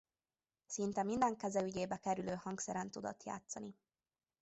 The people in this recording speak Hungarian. Szinte minden keze ügyébe kerülő hangszeren tudott játszani.